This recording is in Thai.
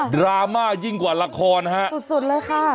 ดราม่ายิ่งกว่าละครฮะสุดเลยค่ะ